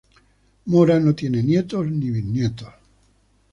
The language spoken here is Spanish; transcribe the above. Mora no tiene nietos ni bisnietos.